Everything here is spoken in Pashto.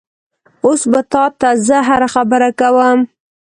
اوس به تا ته زه هره خبره کومه؟